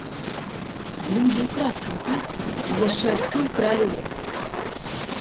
Людзі ўкрадкам пасвілі і яшчэ адтуль кралі лес.